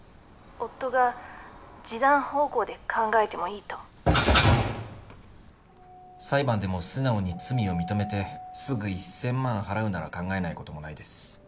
夫が示談方向で考えてもいいと裁判でも素直に罪を認めてすぐ１０００万払うなら考えないこともないです